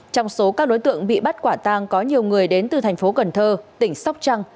trong số các đối tượng bị bắt quả tang có nhiều người đến từ thành phố cần thơ tỉnh sóc trăng